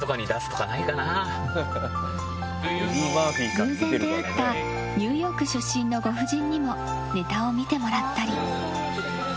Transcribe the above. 偶然、出会ったニューヨーク出身のご婦人にもネタを見てもらったり。